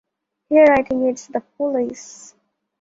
Here, I think it's the police.